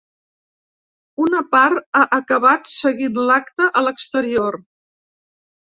Una part ha acabat seguint l’acte a l’exterior.